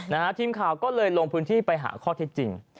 ทีมข่าวก็เลยลงพื้นที่ไปหาข้อเท็จจริง